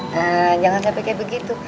nah jangan sampai kayak begitu